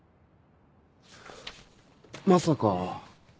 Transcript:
まさか。